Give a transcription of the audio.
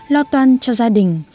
lo toan cho gia đình